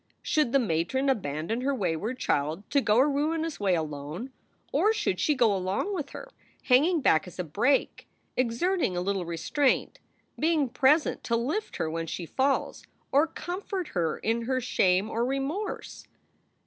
Should the matron abandon her wayward child to go a ruinous way alone, or should she go along with her, hanging back as a brake, exerting a little restraint, being present to lift her when she falls, or comfort her in her shame or remorse?